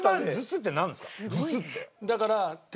だから。